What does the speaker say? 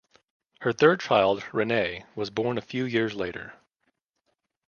Her third child, Rene, was born a few years later.